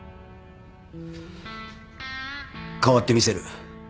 変わってみせる